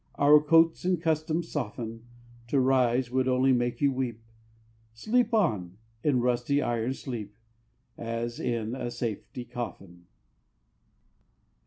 Our coats and customs soften; To rise would only make you weep Sleep on, in rusty iron sleep, As in a safety coffin!